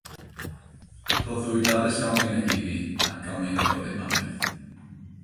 Rhoddwyd addysg Almaeneg iddi ac Almaeneg oedd ei mamiaith.